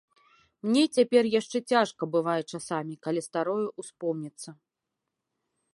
Мне й цяпер яшчэ цяжка бывае часамі, калі старое ўспомніцца.